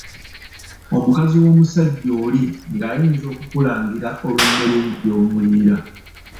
Omukazi w'omusajja oli ng'ayinza okukulangira olw'emmere ye gy'omuliira.